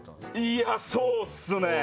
いや、そうっすね。